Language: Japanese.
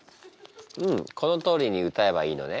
うんこのとおりに歌えばいいのね。